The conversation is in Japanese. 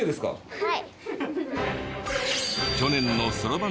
はい。